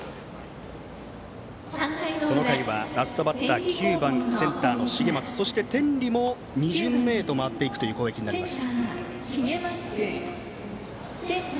この回はラストバッター９番、センターの重舛そして、天理も２巡目へ回っていくという攻撃になります。